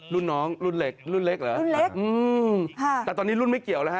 รุ่นน้องรุ่นเล็กรุ่นเล็กเหรออืมแต่ตอนนี้รุ่นไม่เกี่ยวเลยฮะ